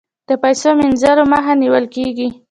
د پیسو مینځلو مخه نیول کیږي